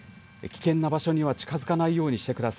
危険な場所には近づかないようにして。